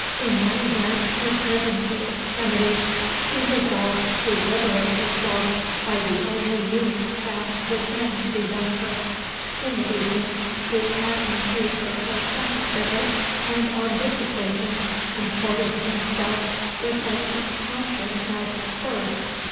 In that event, if driven to extremity, she resolved to liberate herself by the only means that would then be left her. In the evening, Luke Hatton paid her a second visit; and on this occasion comported himself with as much caution as at first.